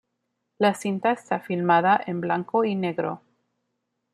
La cinta está filmada en blanco y negro.